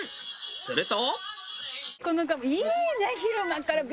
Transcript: すると。